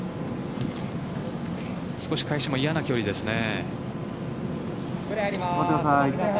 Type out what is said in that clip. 少し返しも嫌な距離ですね。